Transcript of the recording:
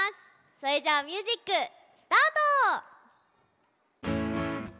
それじゃあミュージックスタート！